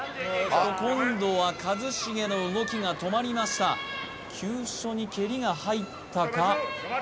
今度は一茂の動きが止まりました急所に蹴りが入ったか？